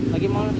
lagi mau lewat